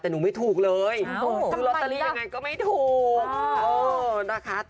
แต่หนูไม่ถูกเลยซื้อลอตเตอรี่ยังไงก็ไม่ถูกนะคะ